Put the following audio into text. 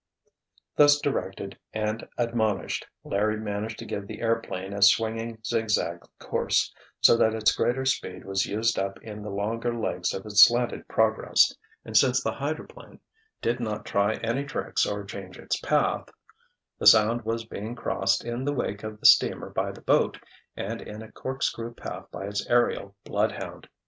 Thus directed, and admonished, Larry managed to give the airplane a swinging, zig zag course, so that its greater speed was used up in the longer legs of its slanted progress, and since the hydroplane did not try any tricks or change its path, the Sound was being crossed in the wake of the steamer by the boat and in a corkscrew path by its aerial bloodhound.